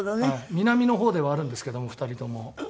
南の方ではあるんですけども２人とも。